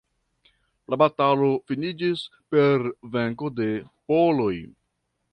La batalo finiĝis per venko de poloj.